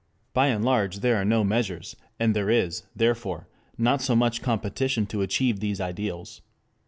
By and large there are no measures, and there is, therefore, not so much competition to achieve these ideals.